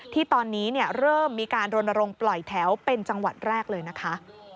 ที่ตอนนี้เริ่มมีการรณรงค์ปล่อยแถวเป็นจังหวัดแรกเลยนะคะ